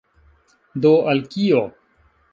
Do al kio?